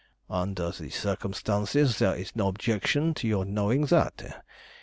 "Under the circumstances there is no objection to your knowing that.